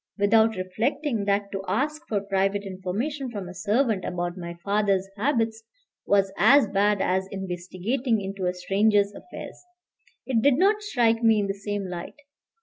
without reflecting that to ask for private information from a servant about my father's habits was as bad as investigating into a stranger's affairs. It did not strike me in the same light.